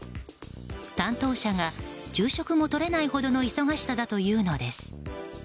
担当者が昼食もとれないほどの忙しさだというのです。